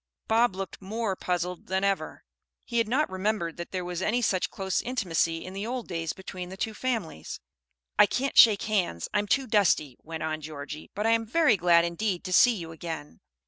Bob looked more puzzled than ever. He had not remembered that there was any such close intimacy in the old days between the two families. "I can't shake hands, I am too dusty," went on Georgie. "But I am very glad indeed to see you again."